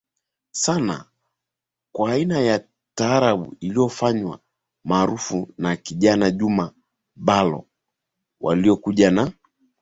sana kwa aina yake ya Taarab iliyofanywa maarufu na akina Juma Bhalo waliokuja na